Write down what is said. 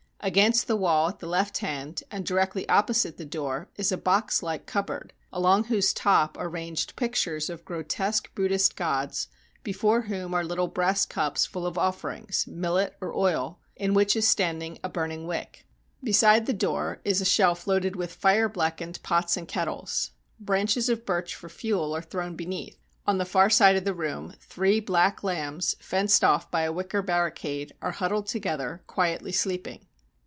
Against the wall at the left hand, and directly opposite the door, is a box like cupboard, along whose top are ranged pictures of grotesque Buddhist gods, before whom are little brass cups full of offerings, millet or oil, in which is standing a burning wick. Beside the door is a shelf loaded with fire blackened pots and kettles. Branches of birch for fuel are thrown beneath. On the far side of the room, three black lambs, fenced off by a wicker barricade, are huddled together, quietly sleep ing.